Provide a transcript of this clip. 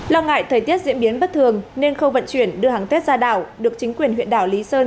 lo ngại thời tiết diễn biến bất thường nên khâu vận chuyển đưa hàng tết ra đảo được chính quyền huyện đảo lý sơn